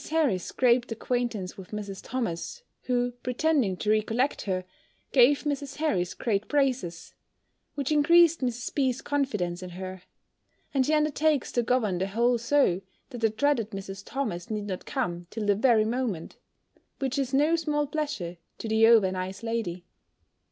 Harris scraped acquaintance with Mrs. Thomas, who, pretending to recollect her, gave Mrs. Harris great praises; which increased Mrs. B.'s confidence in her: and she undertakes to govern the whole so, that the dreaded Mrs. Thomas need not come till the very moment: which is no small pleasure to the over nice lady.